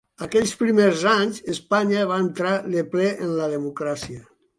Aquells primers anys, Espanya va entrar de ple en la democràcia.